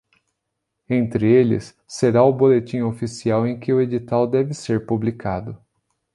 Entre eles, será o boletim oficial em que o edital deve ser publicado.